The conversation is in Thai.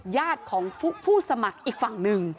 ญาติของผู้สมัครอีกฝั่งหนึ่ง